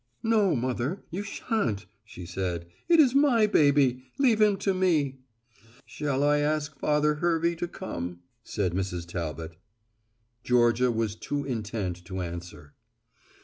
"No, mother, you shan't," she said, "it is my baby, leave him to me." "Shall I ask Father Hervey to come?" said Mrs. Talbot. Georgia was too intent to answer.